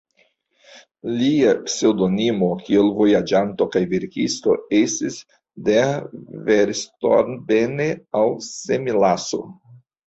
Lia pseŭdonimo kiel vojaĝanto kaj verkisto estis "Der Verstorbene" aŭ "Semilasso".